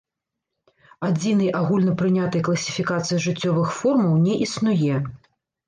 Адзінай агульнапрынятай класіфікацыі жыццёвых формаў не існуе.